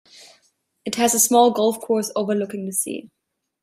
It has a small golf course overlooking the sea.